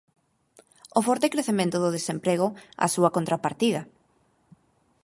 o forte crecemento do desemprego a súa contrapartida.